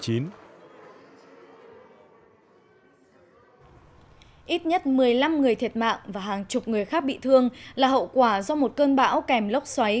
ít nhất một mươi năm người thiệt mạng và hàng chục người khác bị thương là hậu quả do một cơn bão kèm lốc xoáy